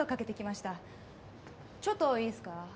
「ちょっといいすか？」。